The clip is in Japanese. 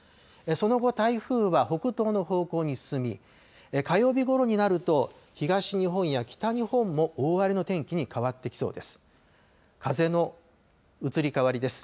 その後、台風は北東の方向に進み、火曜日ごろになると東日本や北日本も大荒れの天気に変わってきそうです。